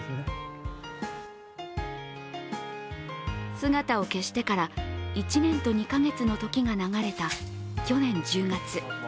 姿を消してから１年と２か月の時が流れた去年１０月。